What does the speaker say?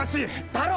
太郎！